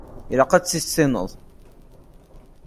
Ilaq ad tt-tissineḍ.